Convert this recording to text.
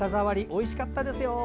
おいしかったですよ。